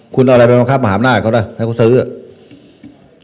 คุณเอาอะไรไปบังคับมหาอำนาจเขาได้ให้เขาซื้ออ่ะ